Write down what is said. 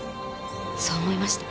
そう思いました。